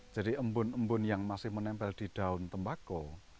jadi embun embun yang masih menempel di daun tembakau